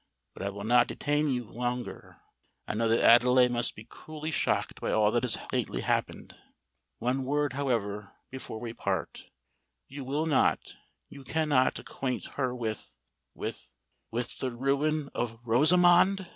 But I will not detain you longer: I know that Adelais must be cruelly shocked by all that has lately happened. One word, however, before we part:—you will not—you can not acquaint her with—with——" "With the ruin of Rosamond!"